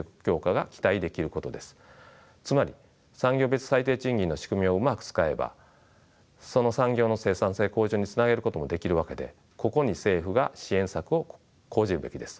つまり産業別最低賃金の仕組みをうまく使えばその産業の生産性向上につなげることもできるわけでここに政府が支援策を講じるべきです。